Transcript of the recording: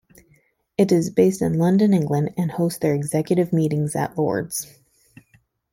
It is based in London, England, and hosts their executive meetings at Lord's.